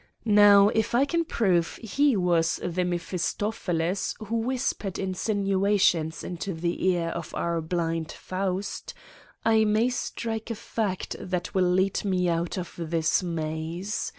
Now, if I can prove he was the Mephistopheles who whispered insinuations into the ear of our blind Faust, I may strike a fact that will lead me out of this maze.